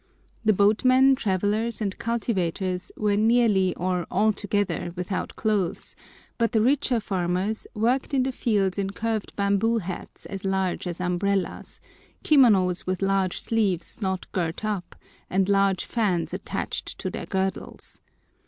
The boatmen, travellers, and cultivators, were nearly or altogether without clothes, but the richer farmers worked in the fields in curved bamboo hats as large as umbrellas, kimonos with large sleeves not girt up, and large fans attached to their girdles.